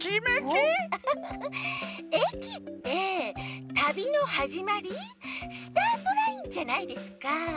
えきってたびのはじまりスタートラインじゃないですか。